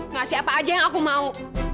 ngasih apa aja yang aku mau